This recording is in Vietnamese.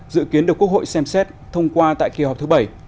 dự kiến được quốc hội xem xét thông qua tại kỳ họp thứ bảy